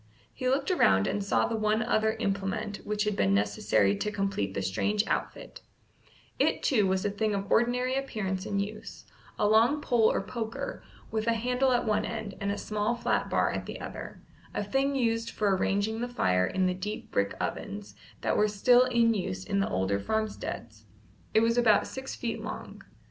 He looked around and saw the one other implement which had been necessary to complete the strange outfit; it, too, was a thing of ordinary appearance and use: a long pole or poker, with a handle at one end and a small flat bar at the other, a thing used for arranging the fire in the deep brick ovens that were still in use at the older farmsteads. It was about six feet long.